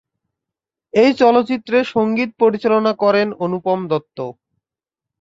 এই চলচ্চিত্রে সংগীত পরিচালনা করেন অনুপম দত্ত।